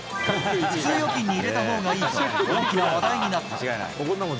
普通預金に入れたほうがいいと大きな話題になった。